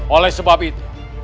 oleh sebab itu